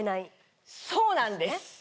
そうなんです。